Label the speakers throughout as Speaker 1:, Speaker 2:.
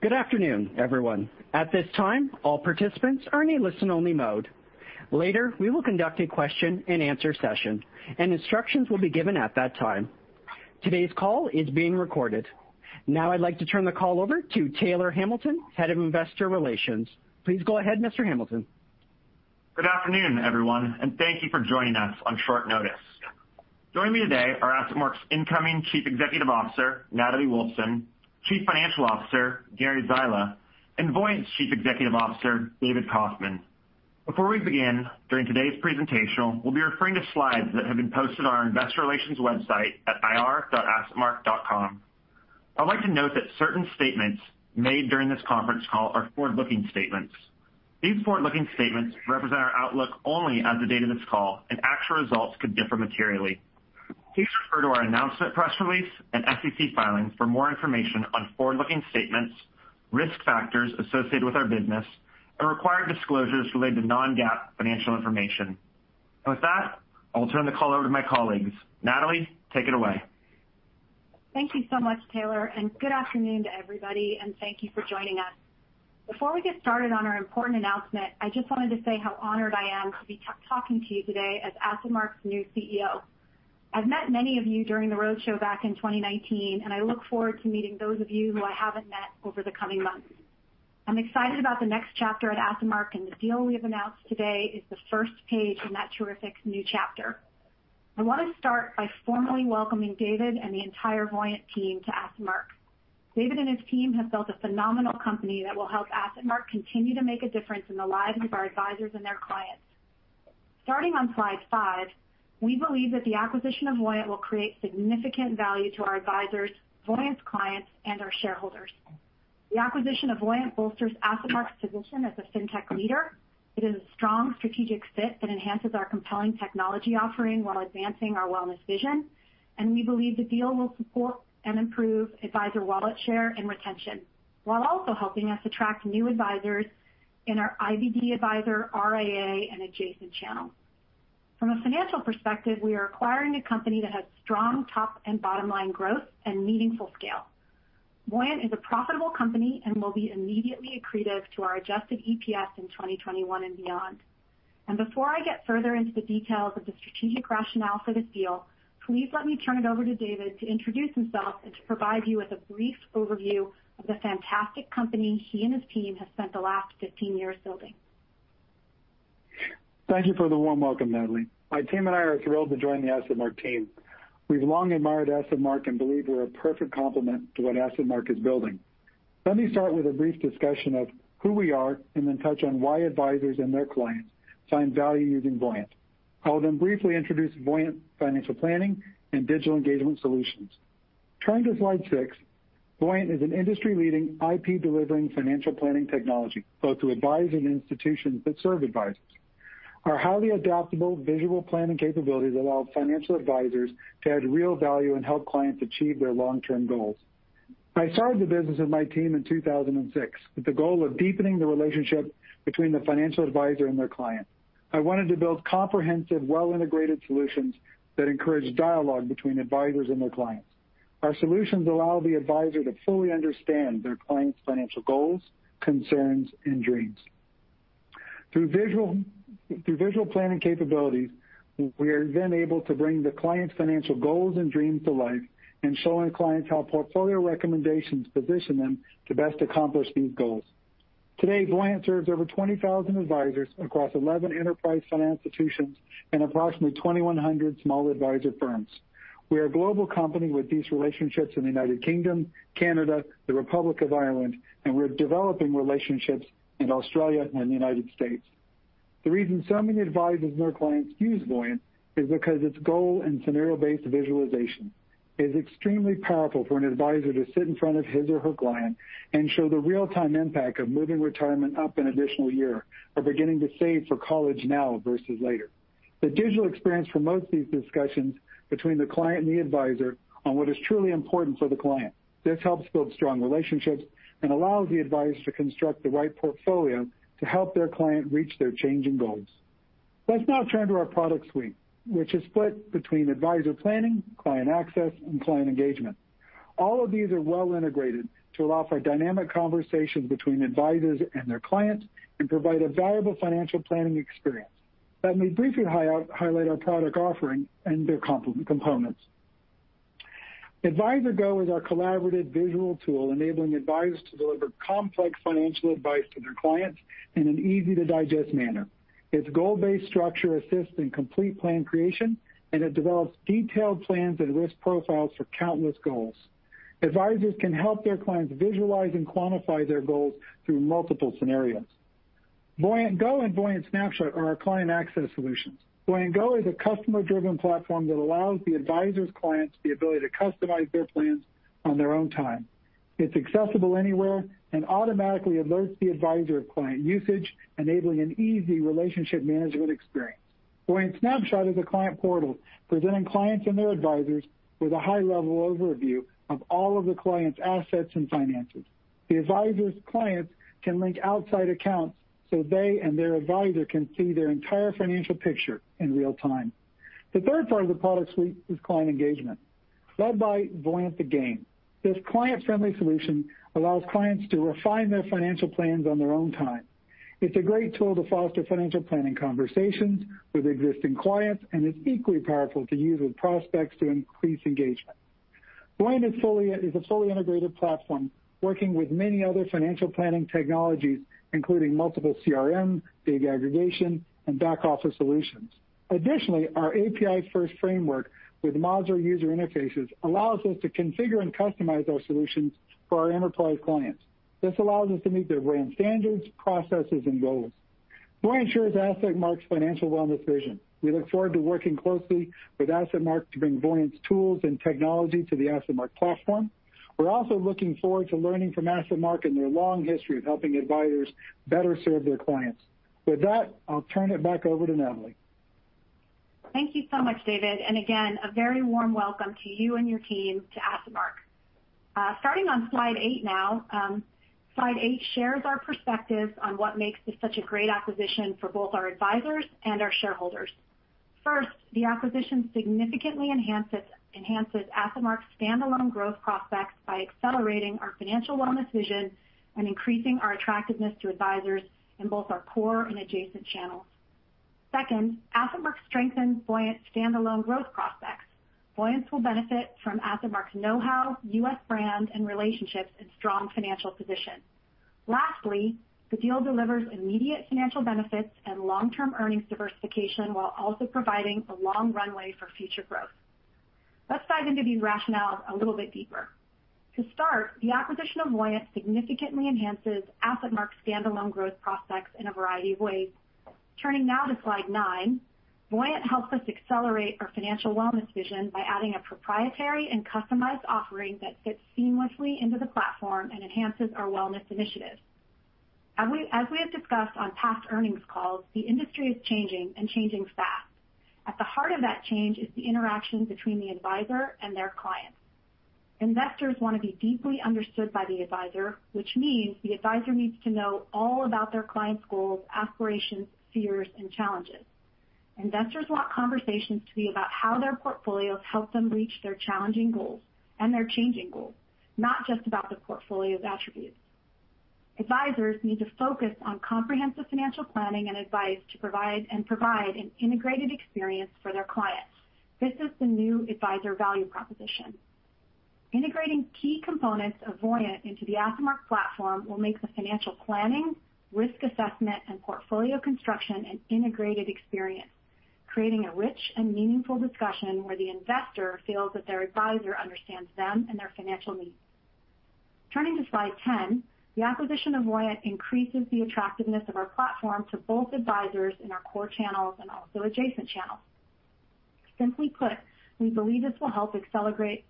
Speaker 1: Good afternoon, everyone. At this time, all participants are in a listen-only mode. Later, we will conduct a question and answer session, and instructions will be given at that time. Today's call is being recorded. Now I'd like to turn the call over to Taylor Hamilton, Head of Investor Relations. Please go ahead, Mr. Hamilton.
Speaker 2: Good afternoon, everyone, and thank you for joining us on short notice. Joining me today are AssetMark's incoming Chief Executive Officer, Natalie Wolfsen, Chief Financial Officer, Gary Zyla, and Voyant's Chief Executive Officer, David Kaufman. Before we begin, during today's presentation, we'll be referring to slides that have been posted on our investor relations website at ir.assetmark.com. I'd like to note that certain statements made during this conference call are forward-looking statements. These forward-looking statements represent our outlook only as of the date of this call, and actual results could differ materially. Please refer to our announcement, press release, and SEC filings for more information on forward-looking statements, risk factors associated with our business, and required disclosures related to non-GAAP financial information. With that, I'll turn the call over to my colleagues. Natalie, take it away.
Speaker 3: Thank you so much, Taylor, and good afternoon to everybody, and thank you for joining us. Before we get started on our important announcement, I just wanted to say how honored I am to be talking to you today as AssetMark's new CEO. I've met many of you during the roadshow back in 2019, and I look forward to meeting those of you who I haven't met over the coming months. I'm excited about the next chapter at AssetMark, and the deal we have announced today is the first page in that terrific new chapter. I want to start by formally welcoming David and the entire Voyant team to AssetMark. David and his team have built a phenomenal company that will help AssetMark continue to make a difference in the lives of our advisors and their clients. Starting on slide five, we believe that the acquisition of Voyant will create significant value to our advisors, Voyant's clients, and our shareholders. The acquisition of Voyant bolsters AssetMark's position as a fintech leader. It is a strong strategic fit that enhances our compelling technology offering while advancing our wellness vision, and we believe the deal will support and improve advisor wallet share and retention, while also helping us attract new advisors in our IBD advisor, RIA, and adjacent channels. From a financial perspective, we are acquiring a company that has strong top and bottom line growth and meaningful scale. Voyant is a profitable company and will be immediately accretive to our adjusted EPS in 2021 and beyond. Before I get further into the details of the strategic rationale for this deal, please let me turn it over to David to introduce himself and to provide you with a brief overview of the fantastic company he and his team have spent the last 15 years building.
Speaker 4: Thank you for the warm welcome, Natalie. My team and I are thrilled to join the AssetMark team. We've long admired AssetMark and believe we're a perfect complement to what AssetMark is building. Let me start with a brief discussion of who we are and then touch on why advisors and their clients find value using Voyant. I will then briefly introduce Voyant financial planning and digital engagement solutions. Turning to slide six, Voyant is an industry-leading IP delivering financial planning technology, both to advisors and institutions that serve advisors. Our highly adaptable visual planning capabilities allow financial advisors to add real value and help clients achieve their long-term goals. I started the business with my team in 2006 with the goal of deepening the relationship between the financial advisor and their client. I wanted to build comprehensive, well-integrated solutions that encourage dialogue between advisors and their clients. Our solutions allow the advisor to fully understand their client's financial goals, concerns, and dreams. Through visual planning capabilities, we are then able to bring the client's financial goals and dreams to life and showing clients how portfolio recommendations position them to best accomplish these goals. Today, Voyant serves over 20,000 advisors across 11 enterprise financial institutions and approximately 2,100 small advisor firms. We are a global company with these relationships in the United Kingdom, Canada, the Republic of Ireland, and we're developing relationships in Australia and the United States. The reason so many advisors and their clients use Voyant is because its goal and scenario-based visualization is extremely powerful for an advisor to sit in front of his or her client and show the real-time impact of moving retirement up an additional year or beginning to save for college now versus later. The digital experience promotes these discussions between the client and the advisor on what is truly important for the client. This helps build strong relationships and allows the advisor to construct the right portfolio to help their client reach their changing goals. Let's now turn to our product suite, which is split between advisor planning, client access, and client engagement. All of these are well integrated to allow for dynamic conversations between advisors and their clients and provide a valuable financial planning experience. Let me briefly highlight our product offering and their component. AdviserGo is our collaborative visual tool enabling advisors to deliver complex financial advice to their clients in an easy-to-digest manner. Its goal-based structure assists in complete plan creation, and it develops detailed plans and risk profiles for countless goals. Advisors can help their clients visualize and quantify their goals through multiple scenarios. VoyantGo and Voyant Snapshot are our client access solutions. VoyantGo is a customer-driven platform that allows the advisor's clients the ability to customize their plans on their own time. It's accessible anywhere and automatically alerts the advisor of client usage, enabling an easy relationship management experience. Voyant Snapshot is a client portal presenting clients and their advisors with a high-level overview of all of the client's assets and finances. The advisor's clients can link outside accounts so they and their advisor can see their entire financial picture in real time. The third part of the product suite is client engagement, led by Voyant The Game. This client-friendly solution allows clients to refine their financial plans on their own time. It's a great tool to foster financial planning conversations with existing clients, and it's equally powerful to use with prospects to increase engagement. Voyant is a fully integrated platform working with many other financial planning technologies, including multiple CRMs, big aggregation, and back office solutions. Additionally, our API first framework with modular user interfaces allows us to configure and customize our solutions for our enterprise clients. This allows us to meet their brand standards, processes, and goals. Voyant shares AssetMark's Financial Wellness vision. We look forward to working closely with AssetMark to bring Voyant's tools and technology to the AssetMark platform. We're also looking forward to learning from AssetMark and their long history of helping advisors better serve their clients. With that, I'll turn it back over to Natalie.
Speaker 3: Thank you so much, David, and again, a very warm welcome to you and your team to AssetMark. Starting on slide eight now. Slide eight shares our perspective on what makes this such a great acquisition for both our advisors and our shareholders. First, the acquisition significantly enhances AssetMark's standalone growth prospects by accelerating our financial wellness vision and increasing our attractiveness to advisors in both our core and adjacent channels. Second, AssetMark strengthens Voyant's standalone growth prospects. Voyant will benefit from AssetMark's knowhow, U.S. brand, and relationships, and strong financial position. Lastly, the deal delivers immediate financial benefits and long-term earnings diversification while also providing a long runway for future growth. Let's dive into these rationales a little bit deeper. To start, the acquisition of Voyant significantly enhances AssetMark's standalone growth prospects in a variety of ways. Turning now to slide nine, Voyant helps us accelerate our financial wellness vision by adding a proprietary and customized offering that fits seamlessly into the platform and enhances our wellness initiatives. As we have discussed on past earnings calls, the industry is changing and changing fast. At the heart of that change is the interaction between the advisor and their clients. Investors want to be deeply understood by the advisor, which means the advisor needs to know all about their clients' goals, aspirations, fears, and challenges. Investors want conversations to be about how their portfolios help them reach their challenging goals and their changing goals, not just about the portfolio's attributes. Advisors need to focus on comprehensive financial planning and advice to provide an integrated experience for their clients. This is the new advisor value proposition. Integrating key components of Voyant into the AssetMark platform will make the financial planning, risk assessment, and portfolio construction an integrated experience, creating a rich and meaningful discussion where the investor feels that their advisor understands them and their financial needs. Turning to slide 10, the acquisition of Voyant increases the attractiveness of our platform to both advisors in our core channels and also adjacent channels. Simply put, we believe this will help accelerate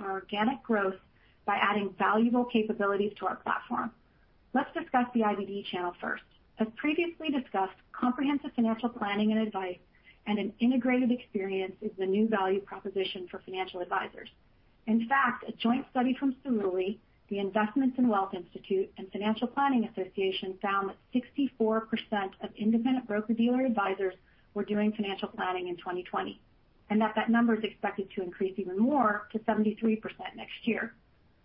Speaker 3: our organic growth by adding valuable capabilities to our platform. Let's discuss the IBD channel first. As previously discussed, comprehensive financial planning and advice and an integrated experience is the new value proposition for financial advisors. In fact, a joint study from Cerulli, the Investments and Wealth Institute, and Financial Planning Association found that 64% of independent broker-dealer advisors were doing financial planning in 2020, and that number is expected to increase even more to 73% next year.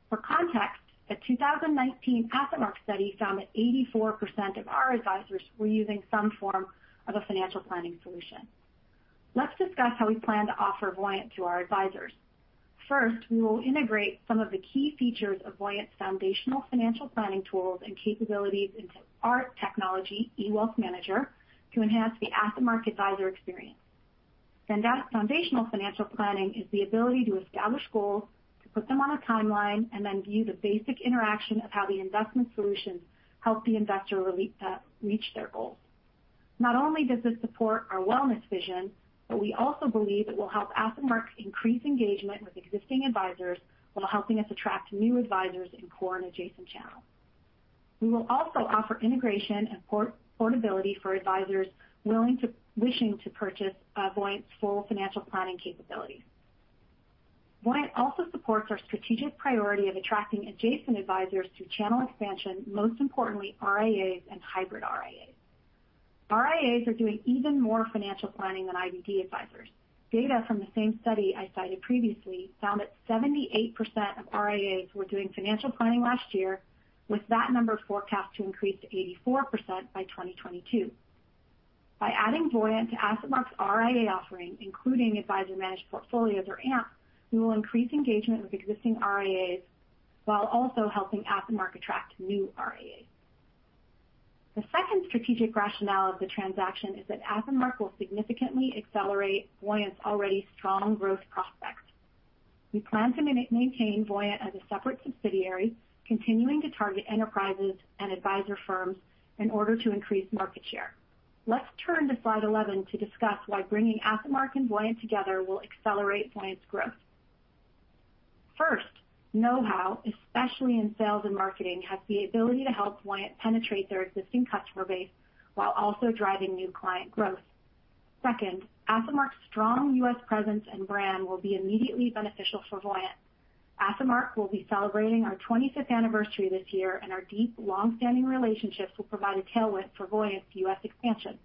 Speaker 3: For context, a 2019 AssetMark study found that 84% of our advisors were using some form of a financial planning solution. Let's discuss how we plan to offer Voyant to our advisors. First, we will integrate some of the key features of Voyant's foundational financial planning tools and capabilities into our technology, eWealthManager, to enhance the AssetMark advisor experience. Foundational financial planning is the ability to establish goals, to put them on a timeline, and then view the basic interaction of how the investment solutions help the investor reach their goals. Not only does this support our wellness vision, but we also believe it will help AssetMark increase engagement with existing advisors while helping us attract new advisors in core and adjacent channels. We will also offer integration and portability for advisors wishing to purchase Voyant's full financial planning capabilities. Voyant also supports our strategic priority of attracting adjacent advisors through channel expansion, most importantly, RIAs and hybrid RIAs. RIAs are doing even more financial planning than IBD advisors. Data from the same study I cited previously found that 78% of RIAs were doing financial planning last year, with that number forecast to increase to 84% by 2022. By adding Voyant to AssetMark's RIA offering, including advisor managed portfolios or AMP, we will increase engagement with existing RIAs while also helping AssetMark attract new RIAs. The second strategic rationale of the transaction is that AssetMark will significantly accelerate Voyant's already strong growth prospects. We plan to maintain Voyant as a separate subsidiary, continuing to target enterprises and advisor firms in order to increase market share. Let's turn to slide 11 to discuss why bringing AssetMark and Voyant together will accelerate Voyant's growth. First, knowhow, especially in sales and marketing, has the ability to help Voyant penetrate their existing customer base while also driving new client growth. Second, AssetMark's strong U.S. presence and brand will be immediately beneficial for Voyant. AssetMark will be celebrating our 25th anniversary this year, and our deep, long-standing relationships will provide a tailwind for Voyant's U.S. expansion.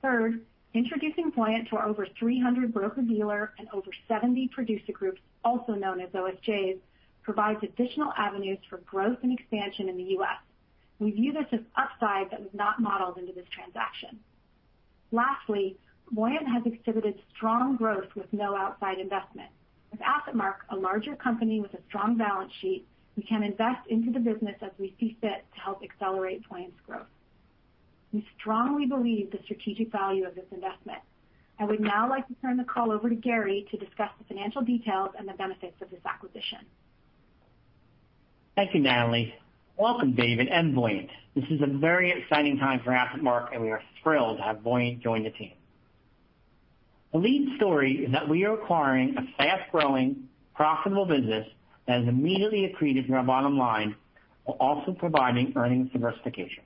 Speaker 3: Third, introducing Voyant to our over 300 broker-dealer and over 70 producer groups, also known as OSJs, provides additional avenues for growth and expansion in the U.S.. We view this as upside that was not modeled into this transaction. Lastly, Voyant has exhibited strong growth with no outside investment. With AssetMark, a larger company with a strong balance sheet, we can invest into the business as we see fit to help accelerate Voyant's growth. We strongly believe the strategic value of this investment. I would now like to turn the call over to Gary to discuss the financial details and the benefits of this acquisition.
Speaker 5: Thank you, Natalie. Welcome, David and Voyant. This is a very exciting time for AssetMark, and we are thrilled to have Voyant join the team. The lead story is that we are acquiring a fast-growing, profitable business that is immediately accretive to our bottom line, while also providing earnings diversification.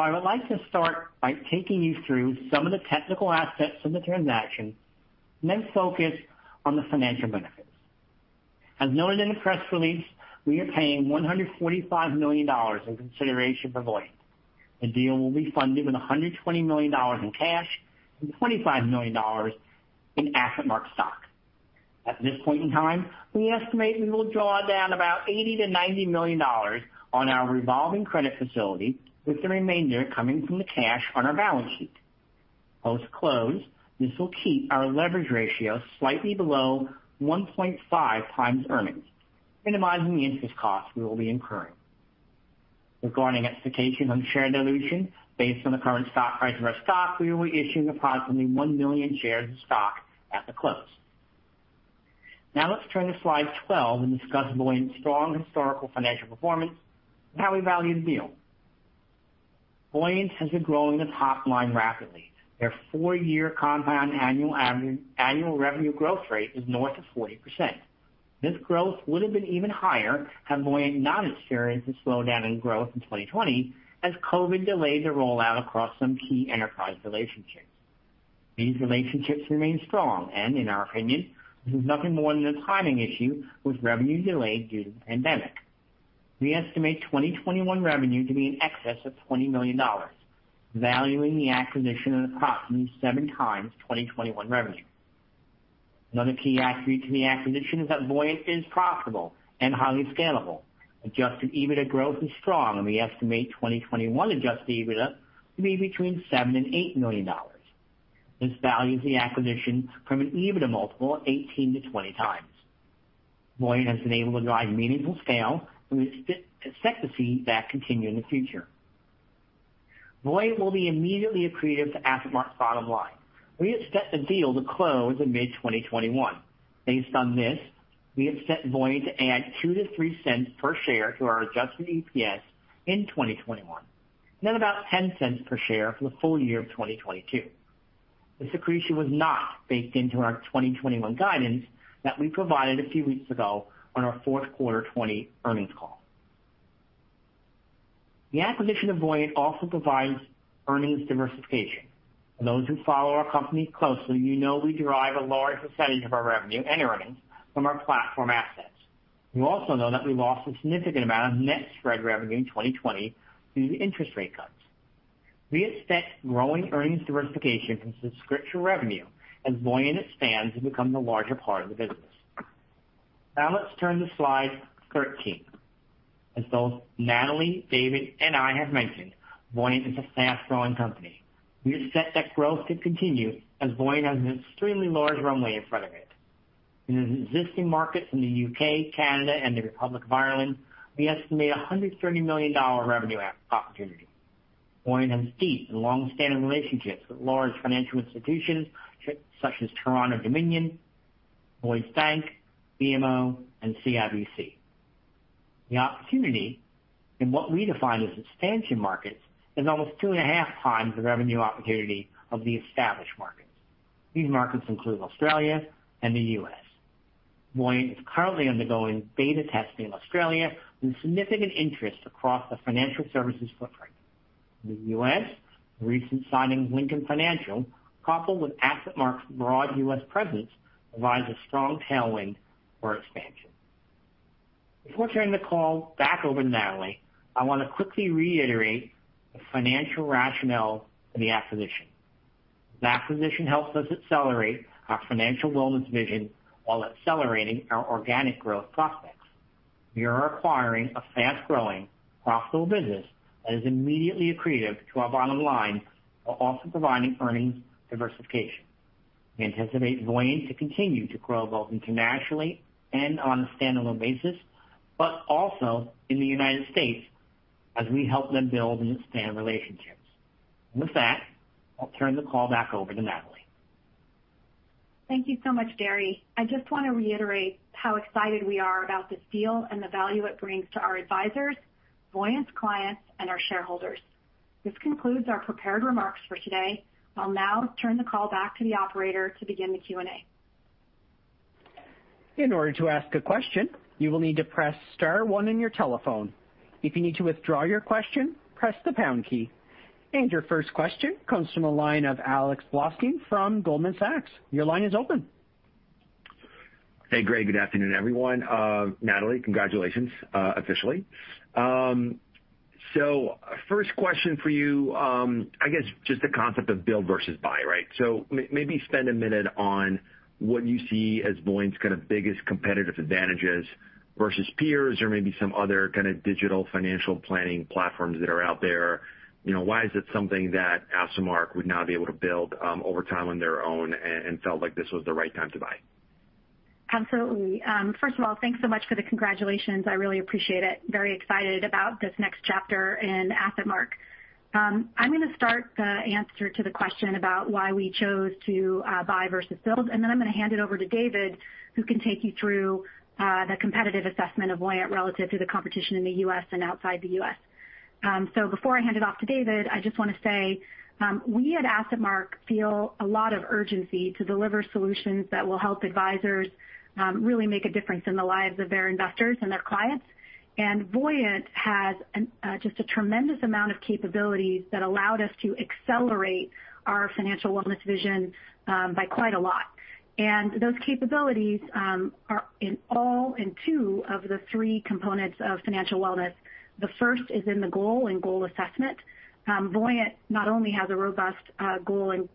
Speaker 5: I would like to start by taking you through some of the technical assets of the transaction, and then focus on the financial benefits. As noted in the press release, we are paying $145 million in consideration for Voyant. The deal will be funded with $120 million in cash and $25 million in AssetMark stock. At this point in time, we estimate we will draw down about $80 million-$90 million on our revolving credit facility, with the remainder coming from the cash on our balance sheet. Post-close, this will keep our leverage ratio slightly below 1.5x earnings, minimizing the interest costs we will be incurring. Regarding expectation on share dilution, based on the current stock price of our stock, we will be issuing approximately 1 million shares of stock at the close. Now let's turn to slide 12 and discuss Voyant's strong historical financial performance and how we value the deal. Voyant has been growing its top line rapidly. Their four-year compound annual revenue growth rate is north of 40%. This growth would've been even higher had Voyant not experienced a slowdown in growth in 2020 as COVID delayed the rollout across some key enterprise relationships. These relationships remain strong, and in our opinion, this is nothing more than a timing issue, with revenue delayed due to the pandemic. We estimate 2021 revenue to be in excess of $20 million, valuing the acquisition at approximately 7x 2021 revenue. Another key attribute to the acquisition is that Voyant is profitable and highly scalable. Adjusted EBITDA growth is strong, and we estimate 2021 Adjusted EBITDA to be between $7 million and $8 million. This values the acquisition from an EBITDA multiple 18x-20x. Voyant has been able to drive meaningful scale, and we expect to see that continue in the future. Voyant will be immediately accretive to AssetMark's bottom line. We expect the deal to close in mid-2021. Based on this, we expect Voyant to add $0.02-$0.03 per share to our Adjusted EPS in 2021, and then about $0.10 per share for the full year of 2022. This accretion was not baked into our 2021 guidance that we provided a few weeks ago on our fourth quarter 2020 earnings call. The acquisition of Voyant also provides earnings diversification. For those who follow our company closely, you know we derive a large percentage of our revenue and earnings from our platform assets. You also know that we lost a significant amount of net spread revenue in 2020 due to interest rate cuts. We expect growing earnings diversification from subscription revenue as Voyant expands and becomes a larger part of the business. Let's turn to slide 13. As both Natalie, David, and I have mentioned, Voyant is a fast-growing company. We expect that growth to continue as Voyant has an extremely large runway in front of it. In the existing markets in the U.K., Canada, and the Republic of Ireland, we estimate $130 million revenue opportunity. Voyant has deep and long-standing relationships with large financial institutions such as Toronto-Dominion, Lloyds Bank, BMO, and CIBC. The opportunity in what we define as expansion markets is almost 2.5x the revenue opportunity of the established markets. These markets include Australia and the U.S.. Voyant is currently undergoing beta testing in Australia, with significant interest across the financial services footprint. In the U.S., the recent signing of Lincoln Financial, coupled with AssetMark's broad U.S. presence, provides a strong tailwind for expansion. Before turning the call back over to Natalie, I want to quickly reiterate the financial rationale for the acquisition. This acquisition helps us accelerate our financial wellness vision while accelerating our organic growth prospects. We are acquiring a fast-growing, profitable business that is immediately accretive to our bottom line while also providing earnings diversification. We anticipate Voyant to continue to grow both internationally and on a standalone basis, but also in the United States as we help them build and expand relationships. With that, I'll turn the call back over to Natalie.
Speaker 3: Thank you so much, Gary. I just want to reiterate how excited we are about this deal and the value it brings to our advisors, Voyant's clients, and our shareholders. This concludes our prepared remarks for today. I'll now turn the call back to the operator to begin the Q&A.
Speaker 1: In order to ask a question, you will need to press star one on your telephone. If you need to withdraw your question, press the pound key. Your first question comes from the line of Alex Blostein from Goldman Sachs. Your line is open.
Speaker 6: Hey, great. Good afternoon, everyone. Natalie, congratulations, officially. First question for you, I guess just the concept of build versus buy, right? Maybe spend a minute on what you see as Voyant's kind of biggest competitive advantages versus peers or maybe some other kind of digital financial planning platforms that are out there. Why is it something that AssetMark would now be able to build over time on their own and felt like this was the right time to buy?
Speaker 3: Absolutely. First of all, thanks so much for the congratulations. I really appreciate it. Very excited about this next chapter in AssetMark. I'm going to start the answer to the question about why we chose to buy versus build, and then I'm going to hand it over to David, who can take you through the competitive assessment of Voyant relative to the competition in the U.S. and outside the U.S.. Before I hand it off to David, I just want to say, we at AssetMark feel a lot of urgency to deliver solutions that will help advisors really make a difference in the lives of their investors and their clients. Voyant has just a tremendous amount of capabilities that allowed us to accelerate our financial wellness vision by quite a lot. Those capabilities are in two of the three components of financial wellness. The first is in the goal and goal assessment. Voyant not only has a robust goal and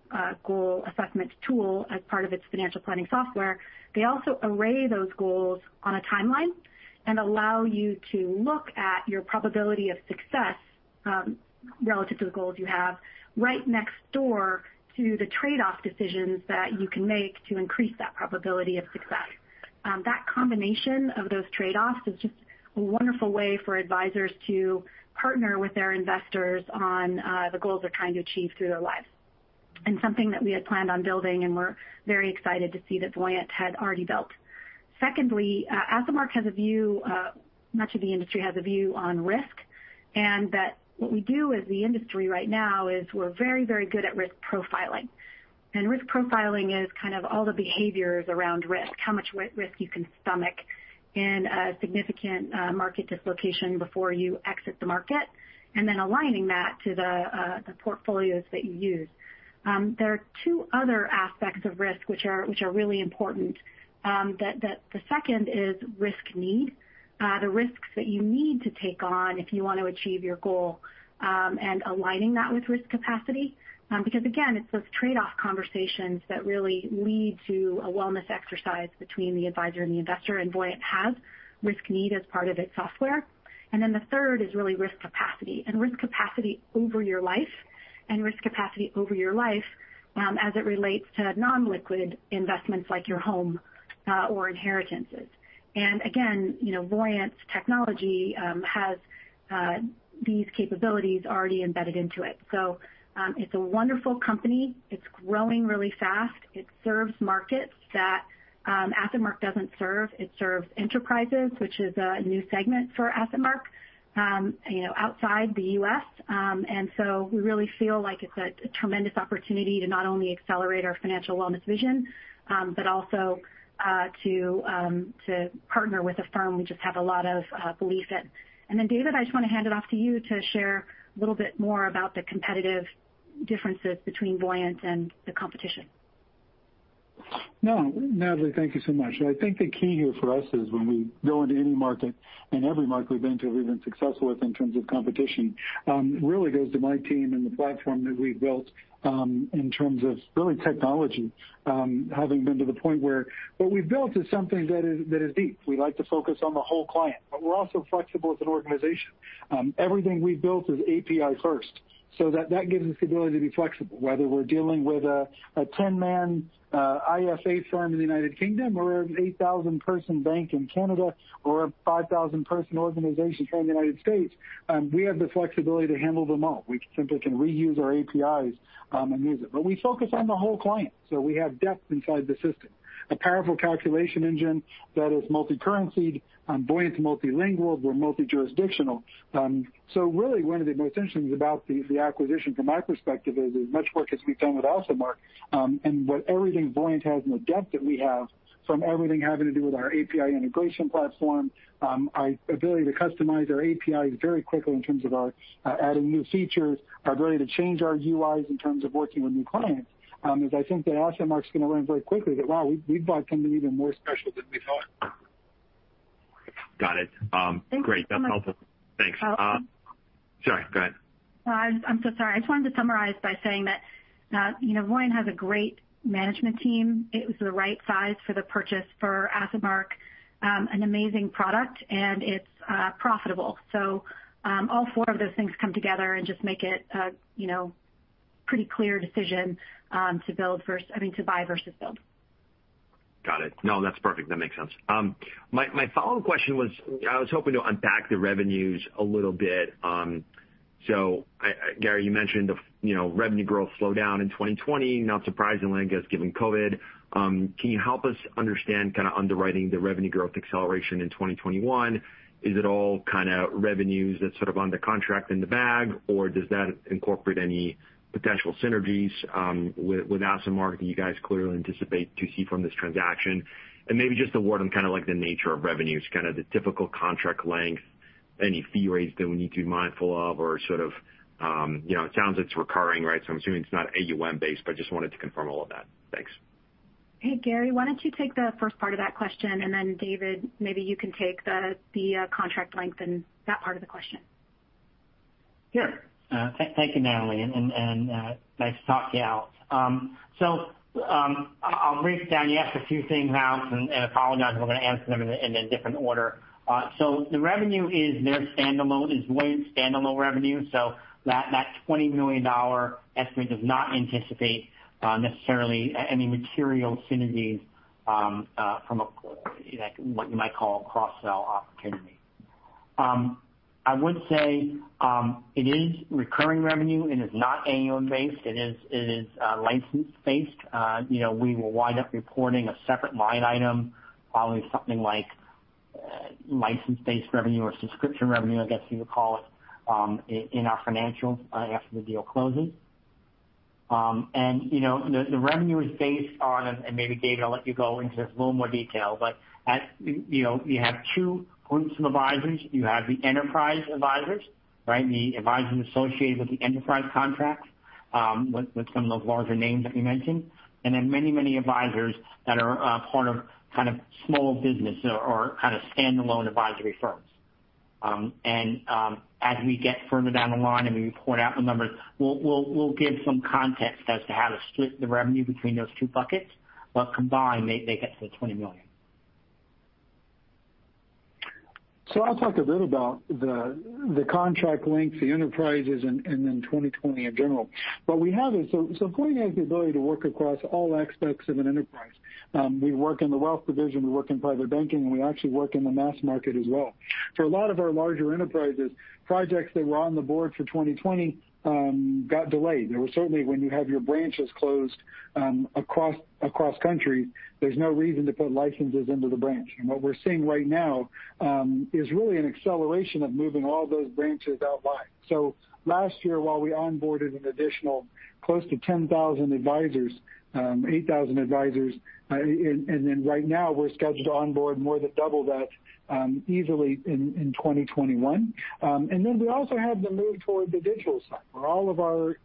Speaker 3: goal assessment tool as part of its financial planning software, they also array those goals on a timeline and allow you to look at your probability of success relative to the goals you have right next door to the trade-off decisions that you can make to increase that probability of success. That combination of those trade-offs is just a wonderful way for advisors to partner with their investors on the goals they're trying to achieve through their lives, and something that we had planned on building, and we're very excited to see that Voyant had already built. Secondly, AssetMark has a view, much of the industry has a view on risk, and that what we do as the industry right now is we're very, very good at risk profiling. Risk profiling is kind of all the behaviors around risk, how much risk you can stomach in a significant market dislocation before you exit the market, and then aligning that to the portfolios that you use. There are two other aspects of risk which are really important. The second is risk need. The risks that you need to take on if you want to achieve your goal, and aligning that with risk capacity. Again, it's those trade-off conversations that really lead to a wellness exercise between the advisor and the investor, and Voyant has risk need as part of its software. The third is really risk capacity, risk capacity over your life, and risk capacity over your life as it relates to non-liquid investments like your home or inheritances. Again, Voyant's technology has these capabilities already embedded into it. It's a wonderful company. It's growing really fast. It serves markets that AssetMark doesn't serve. It serves enterprises, which is a new segment for AssetMark outside the U.S.. We really feel like it's a tremendous opportunity to not only accelerate our financial wellness vision but also to partner with a firm we just have a lot of belief in. David, I just want to hand it off to you to share a little bit more about the competitive differences between Voyant and the competition.
Speaker 4: No, Natalie, thank you so much. I think the key here for us is when we go into any market and every market we've been to, we've been successful with in terms of competition, really goes to my team and the platform that we've built in terms of really technology having been to the point where what we've built is something that is deep. We like to focus on the whole client. We're also flexible as an organization. Everything we've built is API first. That gives us the ability to be flexible, whether we're dealing with a 10-man IFA firm in the U.K. or an 8,000-person bank in Canada or a 5,000-person organization here in the U.S. We have the flexibility to handle them all. We simply can reuse our APIs and use it. We focus on the whole client. We have depth inside the system. A powerful calculation engine that is multi-currency. Voyant's multilingual. We're multi-jurisdictional. Really one of the most interesting things about the acquisition from my perspective is as much work as we've done with AssetMark, and what everything Voyant has and the depth that we have from everything having to do with our API integration platform, our ability to customize our APIs very quickly in terms of our adding new features, our ability to change our UIs in terms of working with new clients, is I think that AssetMark's going to learn very quickly that, wow, we've bought something even more special than we thought.
Speaker 6: Got it.
Speaker 3: Thank you so much.
Speaker 6: Great. That's helpful. Thanks. Sorry, go ahead.
Speaker 3: No, I'm so sorry. I just wanted to summarize by saying that Voyant has a great management team. It was the right size for the purchase for AssetMark, an amazing product, and it's profitable. All four of those things come together and just make it a pretty clear decision to buy versus build.
Speaker 6: Got it. No, that's perfect. That makes sense. My following question was I was hoping to unpack the revenues a little bit. Gary, you mentioned the revenue growth slowdown in 2020, not surprisingly, I guess, given COVID. Can you help us understand kind of underwriting the revenue growth acceleration in 2021? Is it all kind of revenues that's sort of under contract in the bag, or does that incorporate any potential synergies with AssetMark that you guys clearly anticipate to see from this transaction? Maybe just a word on kind of like the nature of revenues, kind of the typical contract length, any fee rates that we need to be mindful of or sort of, it sounds it's recurring, right? I'm assuming it's not AUM based, but just wanted to confirm all of that. Thanks.
Speaker 3: Hey, Gary, why don't you take the first part of that question. Then David, maybe you can take the contract length and that part of the question.
Speaker 5: Sure. Thank you, Natalie, and nice to talk to you, Alex. I'll break it down. You asked a few things, Alex, and I apologize, I'm going to answer them in a different order. The revenue is way standalone revenue, so that $20 million estimate does not anticipate necessarily any material synergies from what you might call cross-sell opportunity. I would say it is recurring revenue and is not AUM based. It is license based. We will wind up reporting a separate line item, probably something like license-based revenue or subscription revenue, I guess you would call it, in our financials after the deal closes. The revenue is based on, and maybe, David, I'll let you go into this in a little more detail, but you have two groups from advisors. You have the enterprise advisors, right? The advisors associated with the enterprise contracts with some of those larger names that you mentioned, and then many advisors that are a part of kind of small business or kind of standalone advisory firms. As we get further down the line and we report out the numbers, we'll give some context as to how to split the revenue between those two buckets, but combined, they get to the $20 million.
Speaker 4: I'll talk a bit about the contract length, the enterprises, and then 2020 in general. Voyant has the ability to work across all aspects of an enterprise. We work in the wealth division, we work in private banking, and we actually work in the mass market as well. For a lot of our larger enterprises, projects that were on the board for 2020 got delayed. Certainly, when you have your branches closed across country, there's no reason to put licenses into the branch. What we're seeing right now is really an acceleration of moving all those branches online. Last year, while we onboarded an additional close to 10,000 advisors, 8,000 advisors, and then right now we're scheduled to onboard more than double that easily in 2021. Then we also have the move toward the digital side, where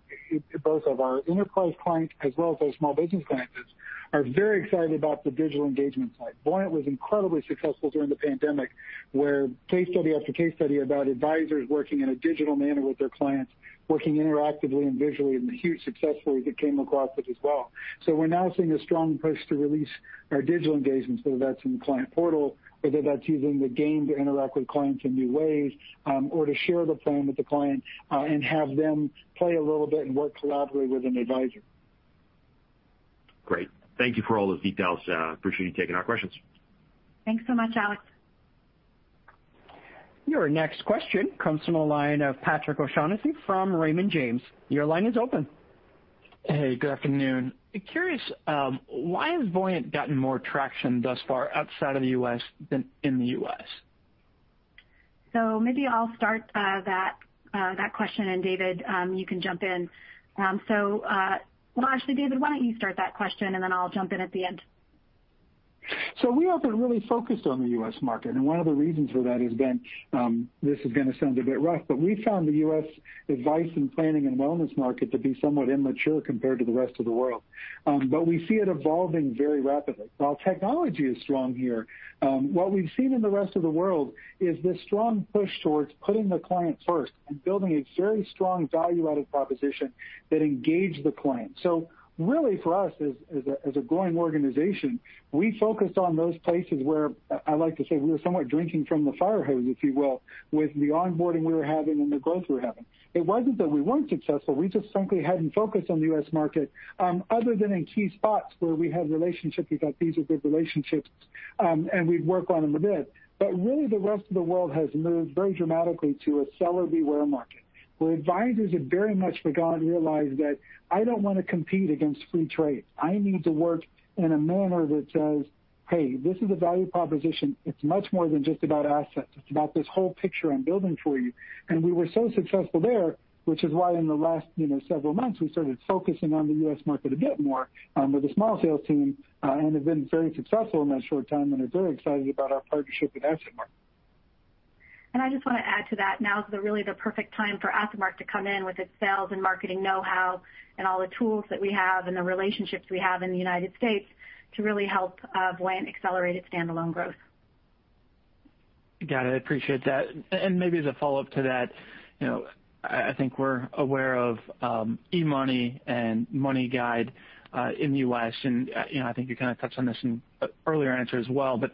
Speaker 4: both of our enterprise clients, as well as our small business clients, are very excited about the digital engagement side. Voyant was incredibly successful during the pandemic, where case study after case study about advisors working in a digital manner with their clients, working interactively and visually, and the huge success stories that came across it as well. We're now seeing a strong push to release our digital engagements, whether that's in the client portal, or whether that's using the game to interact with clients in new ways, or to share the plan with the client and have them play a little bit and work collaboratively with an advisor.
Speaker 6: Great. Thank you for all those details. Appreciate you taking our questions.
Speaker 3: Thanks so much, Alex.
Speaker 1: Your next question comes from the line of Patrick O'Shaughnessy from Raymond James. Your line is open.
Speaker 7: Hey, good afternoon. Curious, why has Voyant gotten more traction thus far outside of the U.S. than in the U.S.?
Speaker 3: Maybe I'll start that question, and David, you can jump in. Well, actually, David, why don't you start that question, and then I'll jump in at the end.
Speaker 4: We have been really focused on the U.S. market, and one of the reasons for that has been, this is going to sound a bit rough, but we found the U.S. advice in planning and wellness market to be somewhat immature compared to the rest of the world. We see it evolving very rapidly. While technology is strong here, what we've seen in the rest of the world is this strong push towards putting the client first and building a very strong value-added proposition that engage the client. Really for us, as a growing organization, we focused on those places where I like to say we were somewhat drinking from the fire hose, if you will, with the onboarding we were having and the growth we were having. It wasn't that we weren't successful. We just simply hadn't focused on the U.S. market other than in key spots where we had relationships. We thought these were good relationships, and we'd work on them a bit. Really, the rest of the world has moved very dramatically to a seller beware market, where advisors have very much begun to realize that I don't want to compete against free trade. I need to work in a manner that says, hey, this is a value proposition. It's much more than just about assets. It's about this whole picture I'm building for you. We were so successful there, which is why in the last several months, we started focusing on the U.S. market a bit more with a small sales team, and have been very successful in that short time, and are very excited about our partnership with AssetMark.
Speaker 3: I just want to add to that. Now's really the perfect time for AssetMark to come in with its sales and marketing know-how and all the tools that we have and the relationships we have in the United States to really help Voyant accelerate its standalone growth.
Speaker 7: Got it. Appreciate that. Maybe as a follow-up to that, I think we're aware of eMoney and MoneyGuide in the U.S., and I think you kind of touched on this in an earlier answer as well, but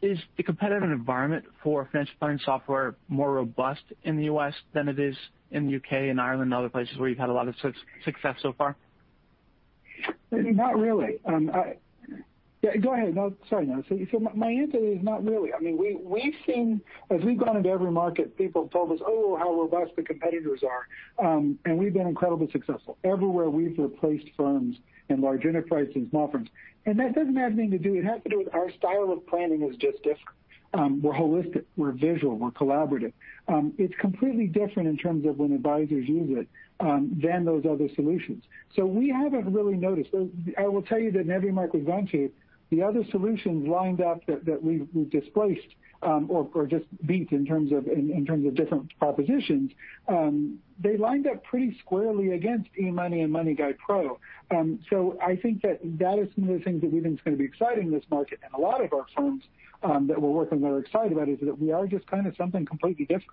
Speaker 7: is the competitive environment for financial planning software more robust in the U.S. than it is in the U.K. and Ireland and other places where you've had a lot of success so far?
Speaker 4: Not really. Go ahead. No, sorry. My answer is not really. As we've gone into every market, people have told us, oh, how robust the competitors are, and we've been incredibly successful. Everywhere we've replaced firms in large enterprises, small firms. It has to do with our style of planning is just different. We're holistic, we're visual, we're collaborative. It's completely different in terms of when advisors use it than those other solutions. So we haven't really noticed. I will tell you that every market we've gone to. The other solutions lined up that we've displaced or just beat in terms of different propositions, they lined up pretty squarely against eMoney and MoneyGuidePro. I think that is one of the things that we think is going to be exciting in this market, and a lot of our firms that we're working with are excited about is that we are just something completely different.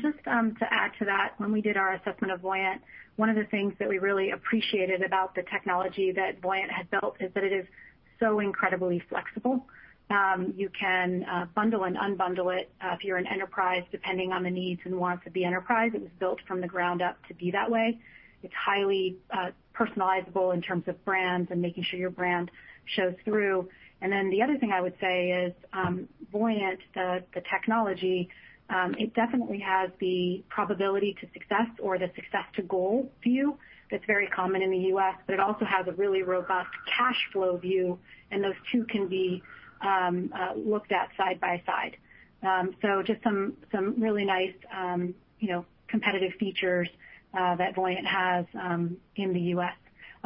Speaker 3: Just to add to that, when we did our assessment of Voyant, one of the things that we really appreciated about the technology that Voyant had built is that it is so incredibly flexible. You can bundle and unbundle it if you're an enterprise, depending on the needs and wants of the enterprise. It was built from the ground up to be that way. It's highly personalizable in terms of brands and making sure your brand shows through. Then the other thing I would say is Voyant, the technology, it definitely has the probability to success or the success to goal view that's very common in the U.S., but it also has a really robust cash flow view, and those two can be looked at side by side. Just some really nice competitive features that Voyant has in the U.S.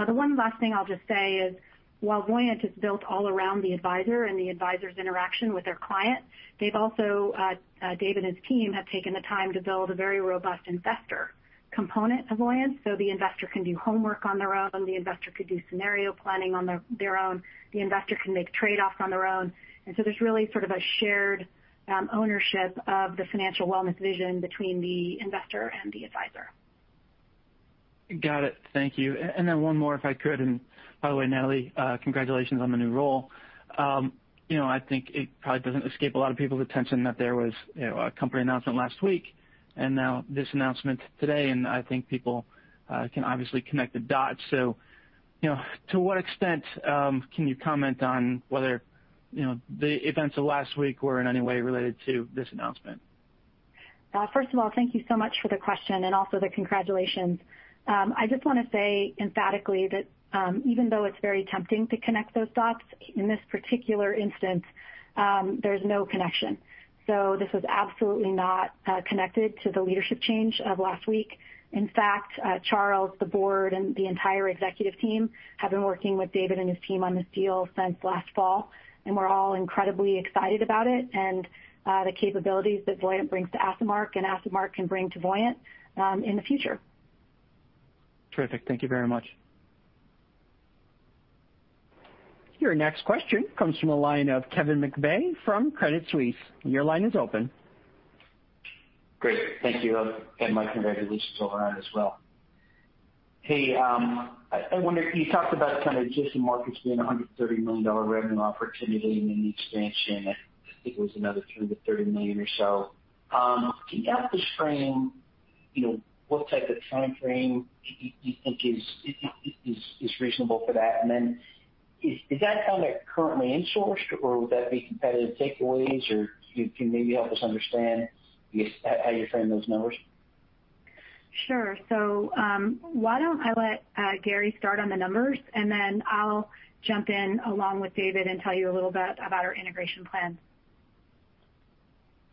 Speaker 3: The one last thing I'll just say is while Voyant is built all around the advisor and the advisor's interaction with their client, David and his team have taken the time to build a very robust investor component of Voyant. The investor can do homework on their own, the investor could do scenario planning on their own, the investor can make trade-offs on their own. There's really sort of a shared ownership of the financial wellness vision between the investor and the advisor.
Speaker 7: Got it. Thank you. One more if I could. By the way, Natalie, congratulations on the new role. I think it probably doesn't escape a lot of people's attention that there was a company announcement last week and now this announcement today, and I think people can obviously connect the dots. To what extent can you comment on whether the events of last week were in any way related to this announcement?
Speaker 3: Thank you so much for the question and also the congratulations. I just want to say emphatically that even though it's very tempting to connect those dots, in this particular instance, there's no connection. This was absolutely not connected to the leadership change of last week. In fact, Charles, the board, and the entire executive team have been working with David and his team on this deal since last fall, and we're all incredibly excited about it and the capabilities that Voyant brings to AssetMark and AssetMark can bring to Voyant in the future.
Speaker 7: Terrific. Thank you very much.
Speaker 1: Your next question comes from the line of Kevin McVeigh from Credit Suisse. Your line is open.
Speaker 8: Great. Thank you. My congratulations all around as well. Hey, I wonder, you talked about kind of existing markets being a $130 million revenue opportunity. Then the expansion, I think it was another $2 million-$30 million or so. Can you help us frame what type of timeframe you think is reasonable for that? Then is that something currently in-sourced or would that be competitive takeaways, or can you maybe help us understand how you frame those numbers?
Speaker 3: Sure. Why don't I let Gary start on the numbers and then I'll jump in along with David and tell you a little bit about our integration plans.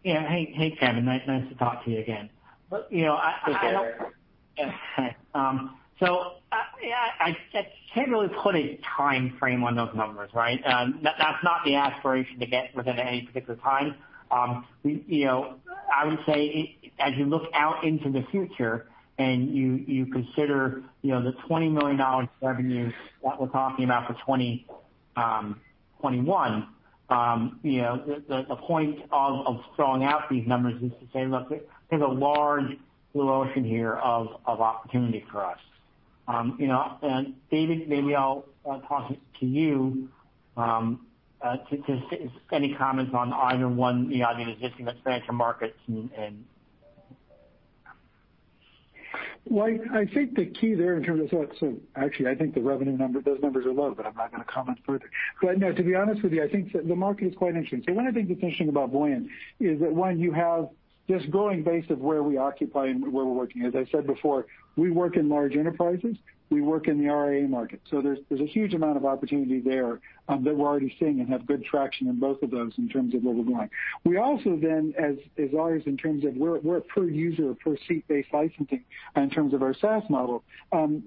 Speaker 5: Yeah. Hey, Kevin. Nice to talk to you again.
Speaker 8: Hey, Gary.
Speaker 5: Yeah. Hi. I can't really put a timeframe on those numbers, right? That's not the aspiration to get within any particular time. I would say as you look out into the future and you consider the $20 million revenue that we're talking about for 2021, the point of throwing out these numbers is to say, look, there's a large blue ocean here of opportunity for us. David, maybe I'll toss it to you to any comments on either one, either existing financial markets and.
Speaker 4: Well, I think the key there in terms of actually, I think those numbers are low, but I'm not going to comment further. No, to be honest with you, I think the market is quite interesting. One of the things that's interesting about Voyant is that one, you have this growing base of where we occupy and where we're working. As I said before, we work in large enterprises. We work in the RIA market. There's a huge amount of opportunity there that we're already seeing and have good traction in both of those in terms of where we're going. We also then, as always, in terms of we're a per user, per seat-based licensing in terms of our SaaS model.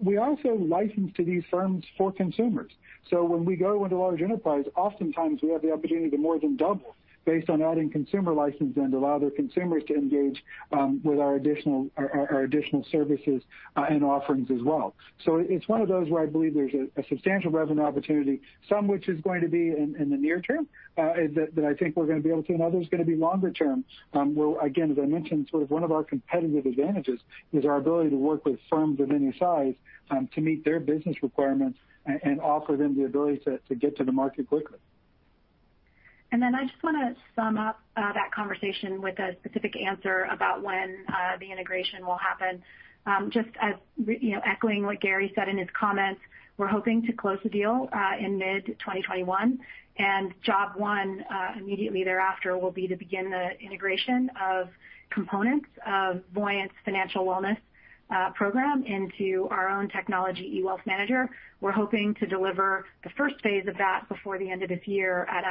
Speaker 4: We also license to these firms for consumers. When we go into large enterprise, oftentimes we have the opportunity to more than double based on adding consumer licensing to allow their consumers to engage with our additional services and offerings as well. It's one of those where I believe there's a substantial revenue opportunity, some which is going to be in the near term that I think we're going to be able to. Other is going to be longer term, where again, as I mentioned, sort of one of our competitive advantages is our ability to work with firms of any size to meet their business requirements and offer them the ability to get to the market quickly.
Speaker 3: I just want to sum up that conversation with a specific answer about when the integration will happen. Just echoing what Gary said in his comments, we're hoping to close the deal in mid-2021. Job one immediately thereafter will be to begin the integration of components of Voyant's financial wellness program into our own technology, eWealthManager. We're hoping to deliver the first phase of that before the end of this year at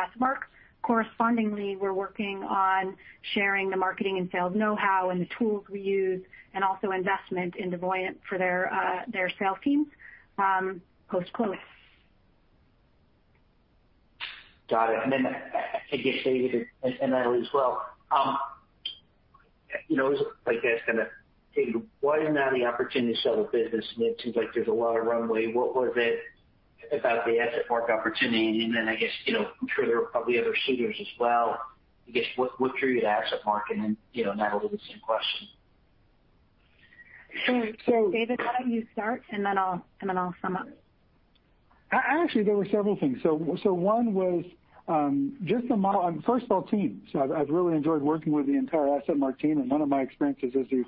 Speaker 3: AssetMark. Correspondingly, we're working on sharing the marketing and sales knowhow and the tools we use and also investment into Voyant for their sales teams post-close.
Speaker 8: Got it. I guess, David and Natalie as well, I was going to ask you, why now the opportunity to sell the business? It seems like there's a lot of runway. What was it about the AssetMark opportunity? I guess, I'm sure there are probably other suitors as well. I guess, what drew you to AssetMark? Natalie, the same question.
Speaker 3: So David, why don't you start, and then I'll sum up.
Speaker 4: Actually, there were several things. One was just the model. First of all, team. I've really enjoyed working with the entire AssetMark team, and none of my experiences is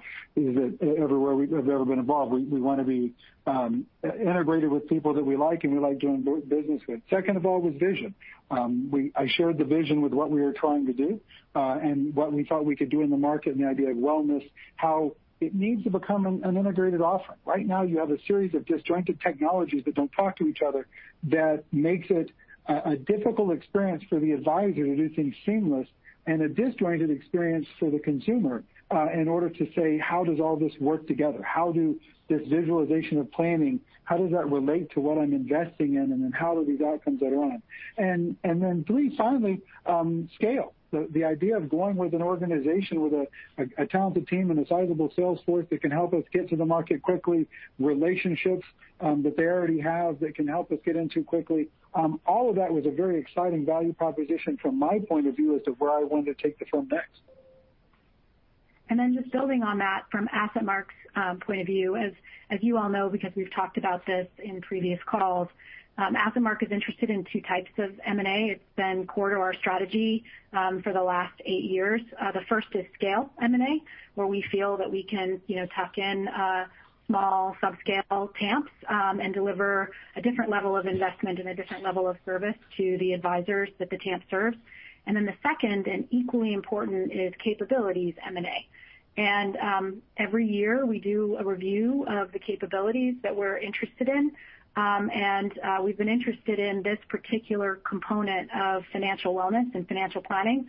Speaker 4: everywhere we have ever been involved. We want to be integrated with people that we like and we like doing business with. Second of all was vision. I shared the vision with what we were trying to do, and what we thought we could do in the market and the idea of wellness, how it needs to become an integrated offering. Right now, you have a series of disjointed technologies that don't talk to each other that makes it a difficult experience for the advisor to do things seamless, and a disjointed experience for the consumer, in order to say, how does all this work together? How do this visualization of planning, how does that relate to what I'm investing in? How do these outcomes add on? Three, finally, scale. The idea of going with an organization with a talented team and a sizable sales force that can help us get to the market quickly, relationships that they already have that can help us get into quickly. All of that was a very exciting value proposition from my point of view as to where I wanted to take the firm next.
Speaker 3: Just building on that from AssetMark's point of view, as you all know because we've talked about this in previous calls, AssetMark is interested in two types of M&A. It's been core to our strategy for the last eight years. The first is scale M&A, where we feel that we can tuck in small sub-scale TAMPs and deliver a different level of investment and a different level of service to the advisors that the TAMP serves. The second, and equally important, is capabilities M&A. Every year, we do a review of the capabilities that we're interested in. We've been interested in this particular component of financial wellness and financial planning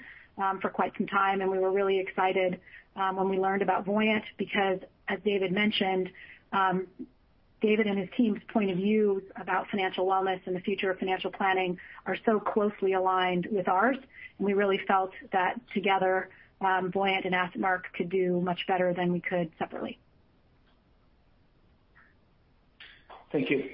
Speaker 3: for quite some time. We were really excited when we learned about Voyant because, as David mentioned, David and his team's point of view about financial wellness and the future of financial planning are so closely aligned with ours. We really felt that together, Voyant and AssetMark could do much better than we could separately.
Speaker 8: Thank you.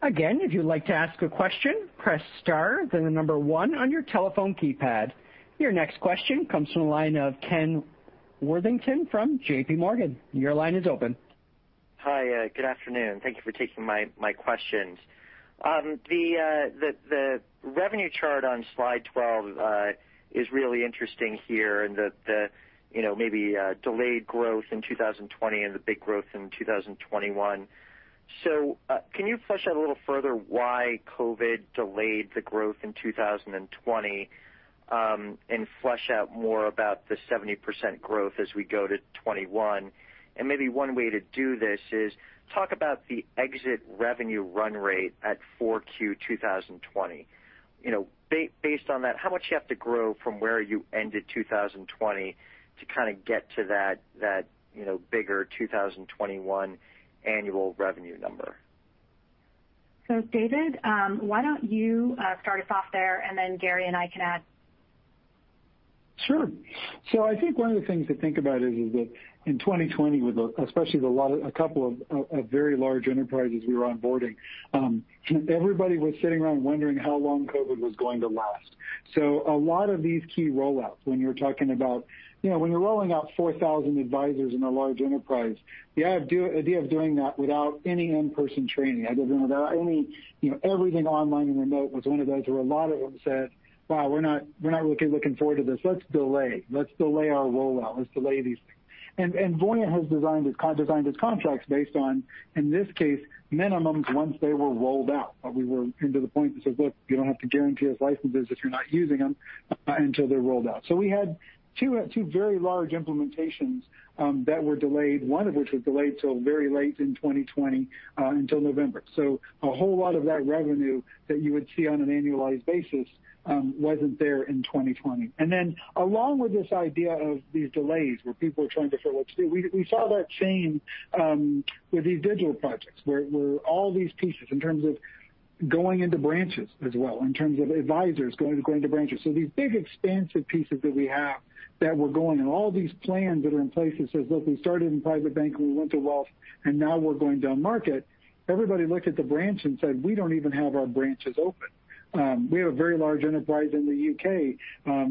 Speaker 1: Again, if you'd like to ask a question, press star, then the number one on your telephone keypad. Your next question comes from the line of Ken Worthington from JPMorgan. Your line is open.
Speaker 9: Hi. Good afternoon. Thank you for taking my questions. The revenue chart on slide 12 is really interesting here in the maybe delayed growth in 2020 and the big growth in 2021. Can you flesh out a little further why COVID delayed the growth in 2020, and flesh out more about the 70% growth as we go to 2021? Maybe one way to do this is talk about the exit revenue run rate at 4Q 2020. Based on that, how much do you have to grow from where you ended 2020 to kind of get to that bigger 2021 annual revenue number?
Speaker 3: David, why don't you start us off there, and then Gary and I can add.
Speaker 4: Sure. I think one of the things to think about is that in 2020, especially with a couple of very large enterprises we were onboarding, everybody was sitting around wondering how long COVID was going to last. A lot of these key roll-outs when you're talking about when you're rolling out 4,000 advisors in a large enterprise, the idea of doing that without any in-person training, I don't know about any. Everything online and remote was one of those where a lot of them said, wow, we're not really looking forward to this. Let's delay. Let's delay our rollout. Let's delay these things. Voyant has designed its contracts based on, in this case, minimums once they were rolled out. We were into the point that says, look, you don't have to guarantee us licenses if you're not using them until they're rolled out. We had two very large implementations that were delayed. One of which was delayed till very late in 2020, until November. A whole lot of that revenue that you would see on an annualized basis wasn't there in 2020. Along with this idea of these delays where people are trying to figure out what to do, we saw that same with these digital projects where all these pieces in terms of going into branches as well, in terms of advisors going into branches. These big expansive pieces that we have that were going and all these plans that are in place that says, look, we started in private bank and we went to wealth, and now we're going down market. Everybody looked at the branch and said, we don't even have our branches open. We have a very large enterprise in the U.K.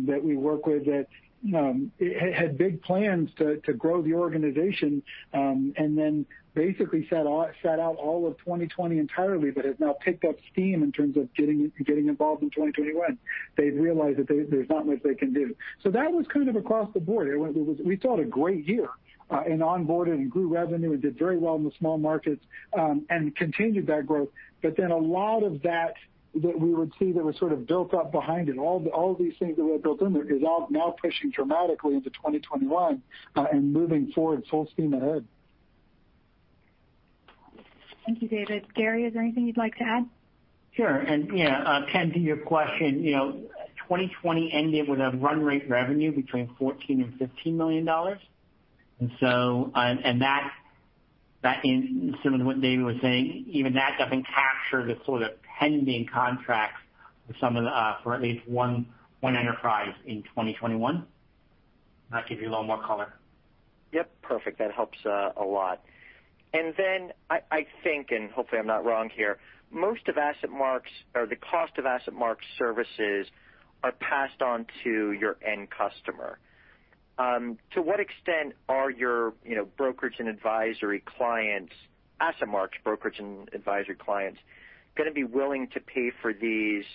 Speaker 4: that we work with that had big plans to grow the organization, and then basically sat out all of 2020 entirely but has now picked up steam in terms of getting involved in 2021. They've realized that there's not much they can do. That was kind of across the board. We thought a great year in onboarding, grew revenue, and did very well in the small markets, and continued that growth. A lot of that that we would see that was sort of built up behind it, all of these things that were built in there is all now pushing dramatically into 2021, and moving forward full steam ahead.
Speaker 3: Thank you, David. Gary, is there anything you'd like to add?
Speaker 5: Sure. Ken, to your question, 2020 ended with a run rate revenue between $14 million and $15 million. Similar to what David was saying, even that doesn't capture the sort of pending contracts for at least one enterprise in 2021, that give you a little more color.
Speaker 9: Yep. Perfect. That helps a lot. I think, and hopefully I'm not wrong here, most of AssetMark's or the cost of AssetMark's services are passed on to your end customer. To what extent are your brokerage and advisory clients, AssetMark's brokerage and advisory clients, going to be willing to pay for these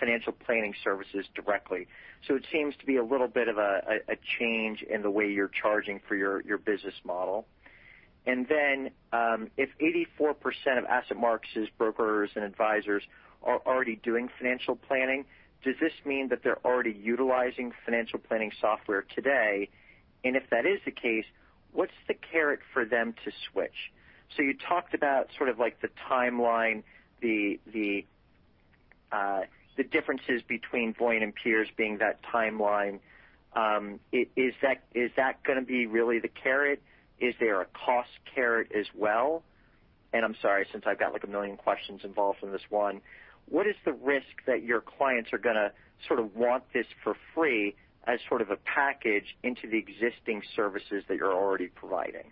Speaker 9: financial planning services directly? It seems to be a little bit of a change in the way you're charging for your business model. If 84% of AssetMark's brokers and advisors are already doing financial planning, does this mean that they're already utilizing financial planning software today? If that is the case, what's the carrot for them to switch? You talked about the timeline, the differences between Voyant and peers being that timeline. Is that going to be really the carrot? Is there a cost carrot as well? I'm sorry, since I've got a million questions involved in this one, what is the risk that your clients are going to sort of want this for free as sort of a package into the existing services that you're already providing?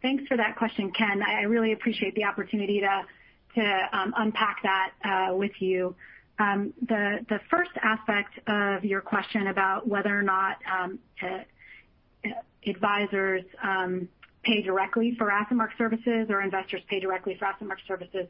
Speaker 3: Thanks for that question, Ken. I really appreciate the opportunity to unpack that with you. The first aspect of your question about whether or not advisors pay directly for AssetMark services or investors pay directly for AssetMark services,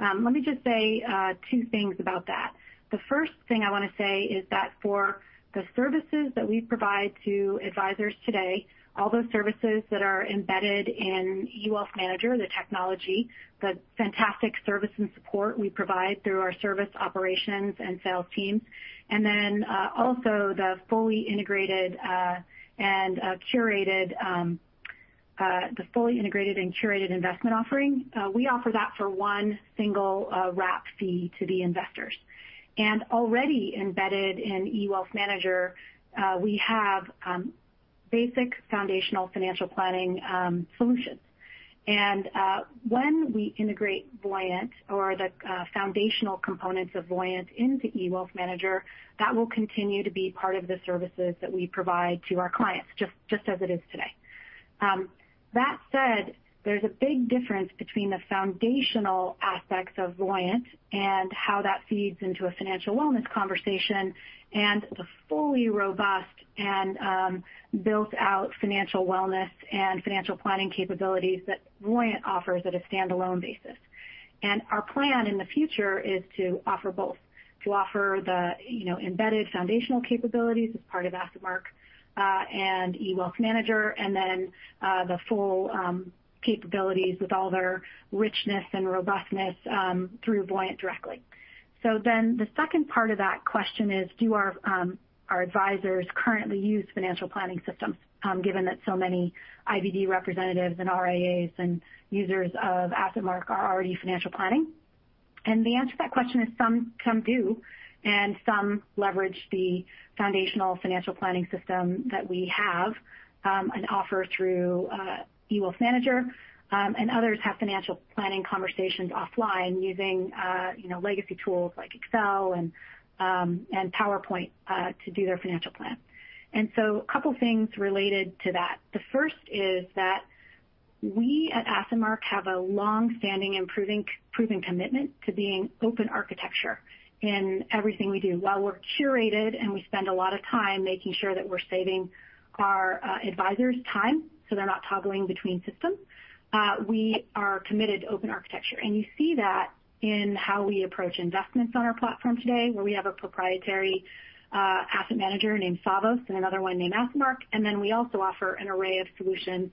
Speaker 3: let me just say two things about that. The first thing I want to say is that for the services that we provide to advisors today, all those services that are embedded in eWealthManager, the technology, the fantastic service and support we provide through our service operations and sales teams, and then also the fully integrated and curated investment offering, we offer that for one single wrap fee to the investors. Already embedded in eWealthManager, we have basic foundational financial planning solutions. When we integrate Voyant or the foundational components of Voyant into eWealthManager, that will continue to be part of the services that we provide to our clients, just as it is today. That said, there's a big difference between the foundational aspects of Voyant and how that feeds into a financial wellness conversation and the fully robust and built-out financial wellness and financial planning capabilities that Voyant offers at a standalone basis. Our plan in the future is to offer both, to offer the embedded foundational capabilities as part of AssetMark and eWealthManager, and the full capabilities with all their richness and robustness through Voyant directly. The second part of that question is do our advisors currently use financial planning systems, given that so many IBD representatives and RIAs and users of AssetMark are already financial planning? The answer to that question is some do, and some leverage the foundational financial planning system that we have and offer through eWealthManager. Others have financial planning conversations offline using legacy tools like Excel and PowerPoint to do their financial plan. A couple things related to that. The first is that we at AssetMark have a long-standing and proven commitment to being open architecture in everything we do. While we're curated and we spend a lot of time making sure that we're saving our advisors time so they're not toggling between systems, we are committed to open architecture. You see that in how we approach investments on our platform today, where we have a proprietary asset manager named Savos and another one named AssetMark, then we also offer an array of solutions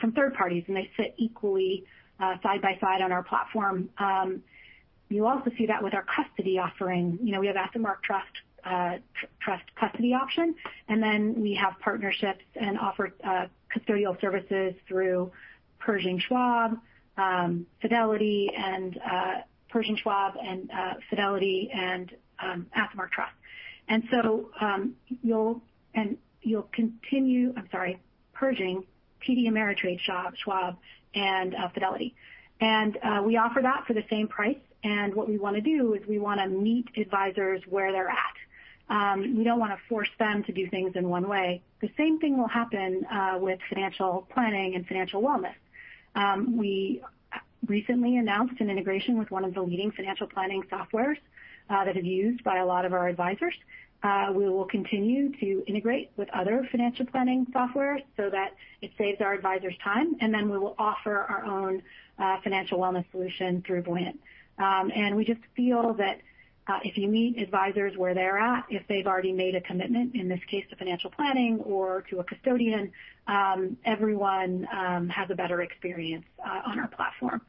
Speaker 3: from third parties, and they sit equally side by side on our platform. You also see that with our custody offering. We have AssetMark Trust custody option, then we have partnerships and offer custodial services through Pershing, Schwab, and Fidelity, and AssetMark Trust. I'm sorry, Pershing, TD Ameritrade, Schwab, and Fidelity. We offer that for the same price. What we want to do is we want to meet advisors where they're at. We don't want to force them to do things in one way. The same thing will happen with financial planning and financial wellness. We recently announced an integration with one of the leading financial planning softwares that is used by a lot of our advisors. We will continue to integrate with other financial planning software so that it saves our advisors time, and then we will offer our own financial wellness solution through Voyant. We just feel that if you meet advisors where they're at, if they've already made a commitment, in this case to financial planning or to a custodian, everyone has a better experience on our platform.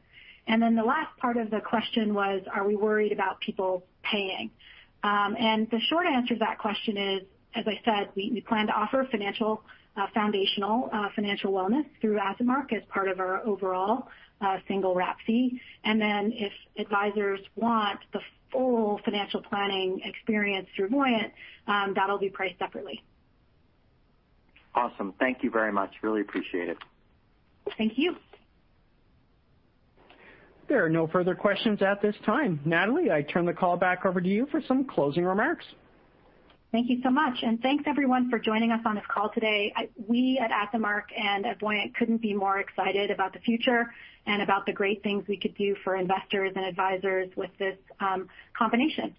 Speaker 3: The last part of the question was, are we worried about people paying? The short answer to that question is, as I said, we plan to offer foundational financial wellness through AssetMark as part of our overall single wrap fee. If advisors want the full financial planning experience through Voyant, that'll be priced separately.
Speaker 9: Awesome. Thank you very much. Really appreciate it.
Speaker 3: Thank you.
Speaker 1: There are no further questions at this time. Natalie, I turn the call back over to you for some closing remarks.
Speaker 3: Thank you so much. Thanks everyone for joining us on this call today. We at AssetMark and at Voyant couldn't be more excited about the future and about the great things we could do for investors and advisors with this combination.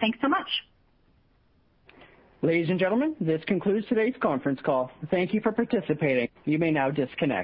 Speaker 3: Thanks so much.
Speaker 1: Ladies and gentlemen, this concludes today's conference call. Thank you for participating. You may now disconnect.